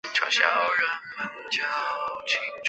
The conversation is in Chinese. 直萼虎耳草为虎耳草科虎耳草属下的一个种。